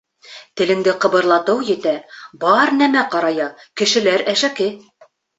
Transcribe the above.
Телеңде ҡыбырлатыу етә, бар нәмә ҡарая, кешеләр әшәке.